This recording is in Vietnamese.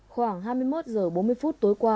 khoảng hai mươi một h bốn mươi phút tối qua